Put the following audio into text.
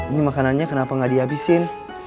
ini makanannya kenapa nggak dihabisin